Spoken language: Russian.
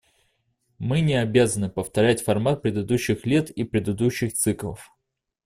Мы не обязаны повторять формат предыдущих лет и предыдущих циклов.